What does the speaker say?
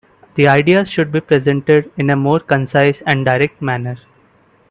The ideas should be presented in a more concise and direct manner.